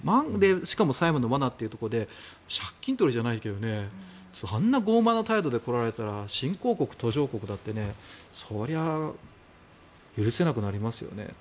しかも債務の罠というところで借金取りじゃないけどあんな傲慢な態度で来られたら新興国、途上国だってそりゃ許せなくなりますよねと。